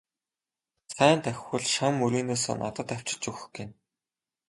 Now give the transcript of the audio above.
Сайн давхивал шан мөрийнөөсөө надад авчирч өгөх гэнэ.